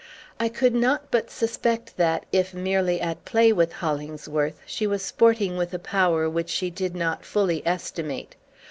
I could not but suspect that, if merely at play with Hollingsworth, she was sporting with a power which she did not fully estimate.